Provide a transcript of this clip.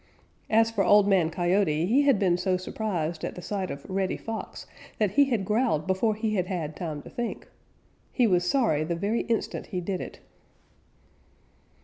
As for Old Man Coyote, he had been so surprised at sight of Reddy Fox that he had growled before he had had time to think. He was sorry the very instant he did it.